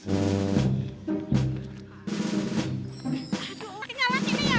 aduh kenyalan ini ya